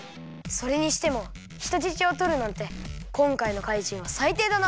それにしてもひとじちをとるなんてこんかいの怪人はさいていだな！